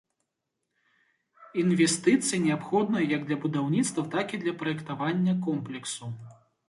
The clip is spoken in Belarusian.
Інвестыцыі неабходныя як для будаўніцтва, так і для праектавання комплексу.